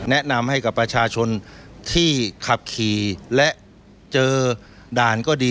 แนะนำให้กับประชาชนที่ขับขี่และเจอด่านก็ดี